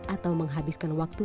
atau menghabiskan waktu